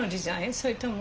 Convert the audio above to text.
それとも。